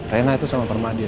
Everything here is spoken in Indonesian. reina itu sama pak madi